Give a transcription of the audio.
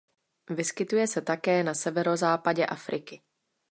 Vyskytuje se také na severozápadě Afriky.